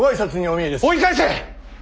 追い返せ！